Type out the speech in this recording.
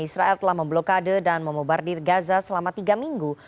israel telah memblokade dan memobardir gaza selama tiga minggu